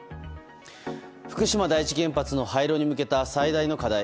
福島第一原発の廃炉に向けた最大の課題。